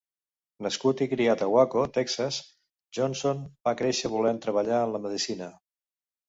Nascut i criat a Waco, Texas, Johnson va créixer volent treballar en la medicina.